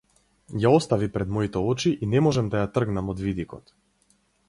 Ја остави пред моите очи и не можам да ја тргнам од видикот.